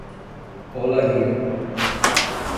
Olaria